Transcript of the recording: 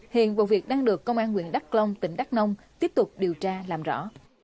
hiện vụ việc đang được công an huyện đắc long tỉnh đắc nông tiếp tục điều tra làm rõ